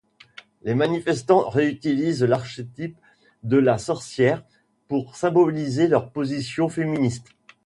Les manifestants réutilisent l'archétype de la sorcière pour symboliser leurs positions féministes.